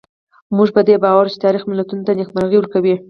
موږ په دې باور یو چې تاریخ ملتونو ته نېکمرغي ورکوي.